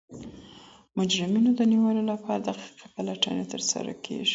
د مجرمینو د نیولو لپاره دقیقې پلټني ترسره کړئ.